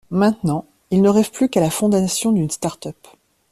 Maintenant, ils ne rêvent plus qu'à la fondation d'une start-up.